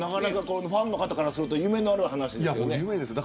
ファンの方からするとなかなか夢のある話ですね。